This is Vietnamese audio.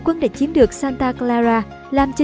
quân đã chiếm được santa clara làm cho